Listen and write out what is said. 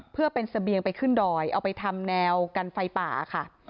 เพื่อเป็นเสบียงไปขึ้นดอยเอาไปทำแนวกันไฟป่าค่ะ